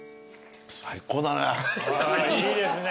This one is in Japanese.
いいですね。